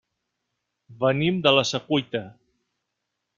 Venim de la Secuita.